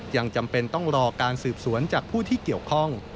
จำเป็นต้องรอการสืบสวนจากผู้ที่เกี่ยวข้อง